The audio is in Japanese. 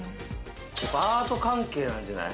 アート関係なんじゃない？